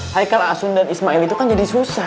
haikal asun dan ismail itu kan jadi susah